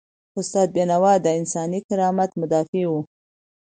استاد بینوا د انساني کرامت مدافع و.